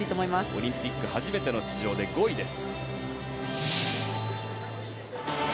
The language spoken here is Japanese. オリンピック初めての出場で５位です。